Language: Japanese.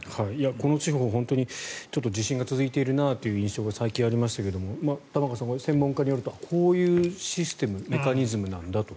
この地方は地震が続いているなという印象が最近ありましたけど玉川さん、専門家によるとこういうシステムメカニズムなんだと。